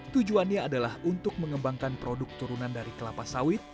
tujuannya adalah untuk mengembangkan produk turunan dari kelapa sawit